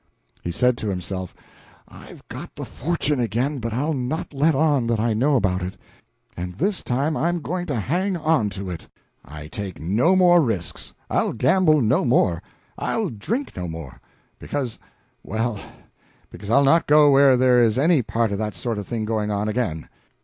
He said to himself: "I've got the fortune again, but I'll not let on that I know about it. And this time I'm going to hang on to it. I take no more risks. I'll gamble no more, I'll drink no more, because well, because I'll not go where there is any of that sort of thing going on, again.